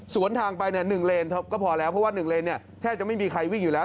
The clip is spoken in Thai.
สวนทางไปหนึ่งเลนส์ก็พอแล้วเพราะว่าหนึ่งเลนส์แทบจะไม่มีใครวิ่งอยู่แล้ว